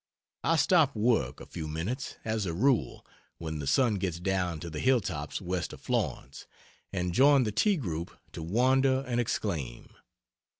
I stop work, a few minutes, as a rule, when the sun gets down to the hilltops west of Florence, and join the tea group to wonder and exclaim.